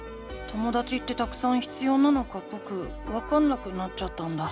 ともだちってたくさん必要なのかぼくわかんなくなっちゃったんだ。